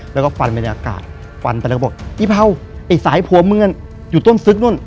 แล้วก็ฟันบรรยากาศฟันไปแล้วก็บอกอีเผาไอ้สายผัวเมืองอยู่ต้นซึกนู่น